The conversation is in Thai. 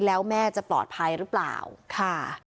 แล้วแม่จะปลอดภัยหรือเปล่าค่ะ